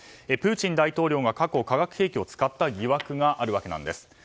プーチン大統領が過去、化学兵器を使った疑惑があるわけなんです。